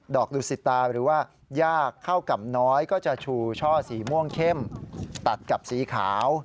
อกดุสิตาหรือว่ายากเข้ากำน้อยก็จะชูช่อสีม่วงเข้มตัดกับสีขาว